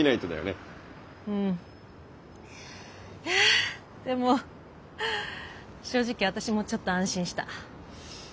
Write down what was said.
いやでも正直私もちょっと安心した。